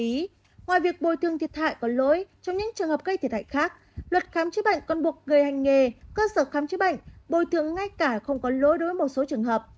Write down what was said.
ngoài việc bồi thương thiệt hại có lỗi trong những trường hợp gây thiệt hại khác luật khám chữa bệnh còn buộc người hành nghề cơ sở khám chữa bệnh bồi thường ngay cả không có lỗi đối một số trường hợp